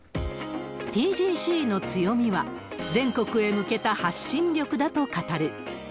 ＴＧＣの強みは、全国へ向けた発信力だと語る。